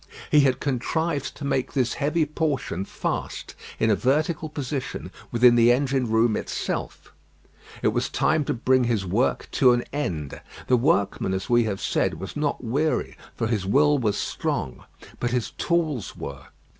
He had contrived to make this heavy portion fast in a vertical position within the engine room itself. It was time to bring his work to an end. The workman, as we have said, was not weary, for his will was strong; but his tools were.